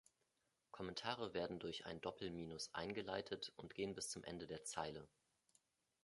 Kommentare werden durch ein Doppel-Minus eingeleitet und gehen bis zum Ende der Zeile.